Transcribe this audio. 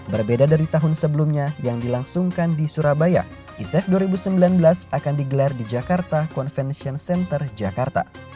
berbeda dari tahun sebelumnya yang dilangsungkan di surabaya e saf dua ribu sembilan belas akan digelar di jakarta convention center jakarta